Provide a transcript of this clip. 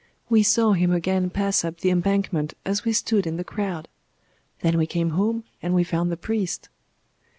We saw Him again pass up the Embankment as we stood in the crowd. Then we came home and we found the priest."